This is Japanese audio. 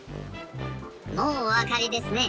もうおわかりですね。